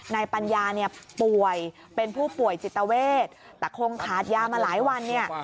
ปัญญาเนี่ยป่วยเป็นผู้ป่วยจิตเวทแต่คงขาดยามาหลายวันเนี่ย